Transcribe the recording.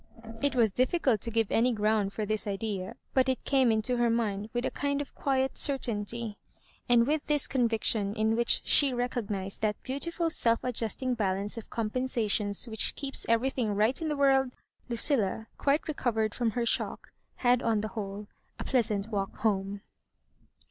It was difficult to give any ground for this idea, but it came into her mind with a ^ kind of quiet certainty ; and with this convic * tion, in which she recognised that beautiful self adjusting balance of compensations which keeps everything right in the world, Lucilla, quite re covered from her shock, had on the whole a pleasant walk home.